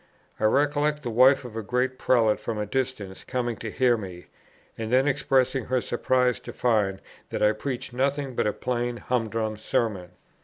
I recollect the wife of a great prelate from a distance coming to hear me, and then expressing her surprise to find that I preached nothing but a plain humdrum Sermon.